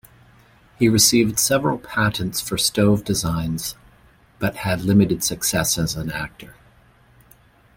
He received several patents for stove designs, but had limited success as an actor.